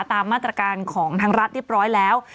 ตามมาตรการของทางรัฐเรียบร้อยแล้ว